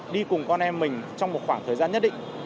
đi cùng con em mình trong một khoảng thời gian nhất định